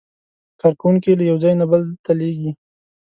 کارکوونکي یې له یو ځای نه بل ته لېږي.